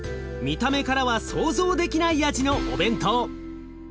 見た目からは想像できない味のお弁当。